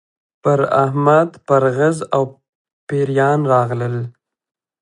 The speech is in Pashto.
پر احمد پرغز او پېریان راغلل.